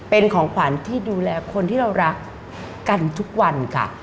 เป็นของขวัญที่ดูแลคนที่เรารักกันทุกวันค่ะ